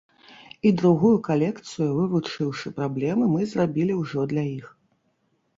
І другую калекцыю, вывучыўшы праблемы, мы зрабілі ўжо для іх.